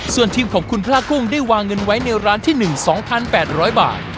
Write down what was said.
ส่วนทีมของคุณพระกุ้งได้วางเงินไว้ในร้านที่หนึ่งสองพันแปดร้อยบาท